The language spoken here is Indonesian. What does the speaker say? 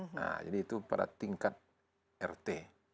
nah jadi itu pada tingkat rt